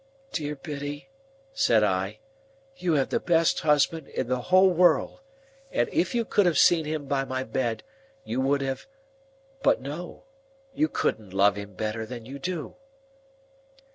"Dear Biddy," said I, "you have the best husband in the whole world, and if you could have seen him by my bed you would have—But no, you couldn't love him better than you do."